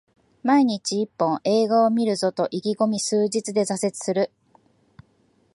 毎日一本、映画を観るぞと意気込み数日で挫折する